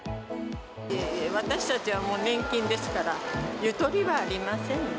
私たちはもう年金ですから、ゆとりはありませんね。